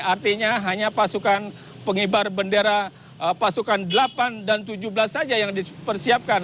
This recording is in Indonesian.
artinya hanya pasukan pengibar bendera pasukan delapan dan tujuh belas saja yang dipersiapkan